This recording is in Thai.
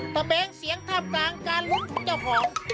แบงเสียงท่ามกลางการลุ้นของเจ้าของ